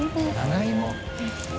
長芋？